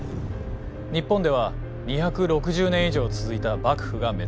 日本では２６０年以上続いた幕府が滅亡。